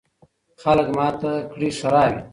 خلک ماته کړي ښراوي